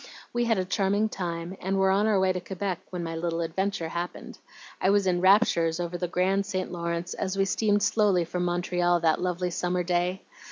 We had a charming time, and were on our way to Quebec when my little adventure happened. I was in raptures over the grand St. Lawrence as we steamed slowly from Montreal that lovely summer day.